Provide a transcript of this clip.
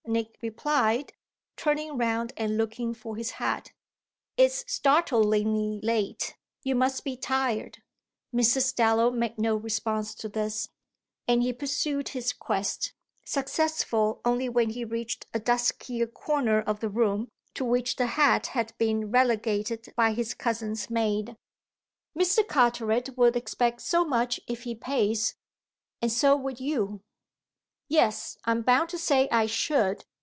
Nick replied, turning round and looking for his hat. "It's startlingly late; you must be tired." Mrs. Dallow made no response to this, and he pursued his quest, successful only when he reached a duskier corner of the room, to which the hat had been relegated by his cousin's maid. "Mr. Carteret will expect so much if he pays. And so would you." "Yes, I'm bound to say I should!